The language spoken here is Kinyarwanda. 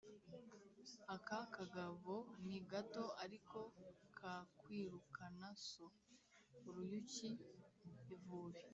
Aka kagabo ni gato ariko kakwirukana so-Uruyuki - Ivubi.